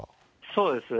そうです。